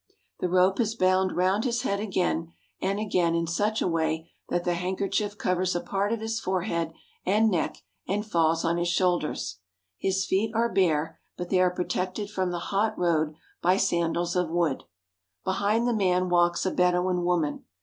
The rope is bound round his head again and again in such a way that the handkerchief covers a part of his forehead and neck and ARABIA, OR LIFE IN THE DESERT 339 falls on his shoulders. His feet are bare, but they are protected from the hot road by sandals of wood. Behind the man walks a Bedouin woman.